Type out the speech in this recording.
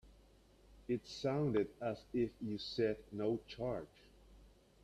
It sounded as if you said no charge.